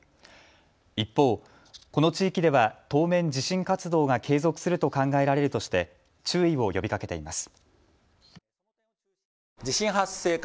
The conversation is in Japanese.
一方、この地域では当面、地震活動が継続すると考えられるとして注意を呼びかけています。